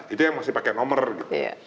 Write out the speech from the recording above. itu yang masih pakai nomor gitu